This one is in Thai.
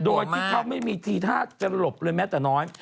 โดยที่เขาไม่มีทีท่าจะหลบเลยแม้แต่น้อย